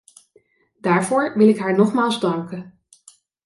Daarvoor wil ik haar nogmaals danken.